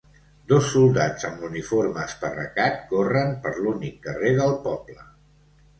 Dos soldats amb l'uniforme esparracat corren per l'únic carrer del poble.